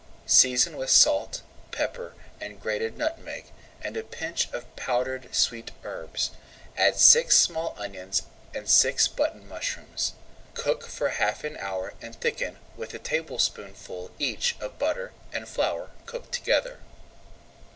Season with salt, pepper, and grated nutmeg, and a pinch of powdered sweet herbs. Add six small onions and six button mushrooms. Cook for half [Page 125] an hour and thicken with a tablespoonful each of butter and flour cooked together.